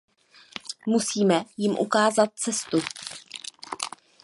Musíme jim ukázat cestu.